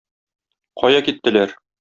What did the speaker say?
Кая киттеләр?